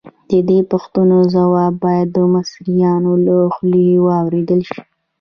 د دې پوښتنو ځواب باید د مصریانو له خولې واورېدل شي.